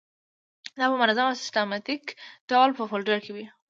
دا په منظم او سیستماتیک ډول په فولډر کې وي.